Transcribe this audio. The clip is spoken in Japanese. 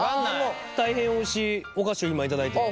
大変おいしいお菓子を今頂いてます。